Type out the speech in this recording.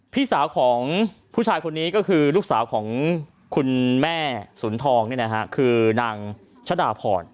พี่สาวของผู้ชายคนนี้ก็คือลูกสาวของคุณแม่สุนทองคือนางชะดาพร